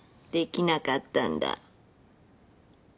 できなかったんだ？